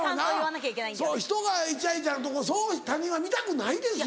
そやよな人がイチャイチャのとこそう他人は見たくないですよ。